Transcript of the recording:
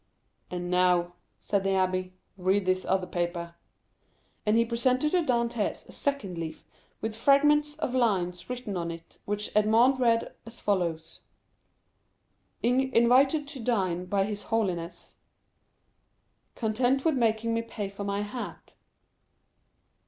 "And now," said the abbé, "read this other paper;" and he presented to Dantès a second leaf with fragments of lines written on it, which Edmond read as follows: "...ing invited to dine by his Holiness ...content with making me pay for my hat